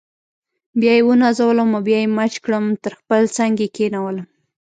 بیا یې ونازولم او بیا یې مچ کړم تر خپل څنګ یې کښېنولم.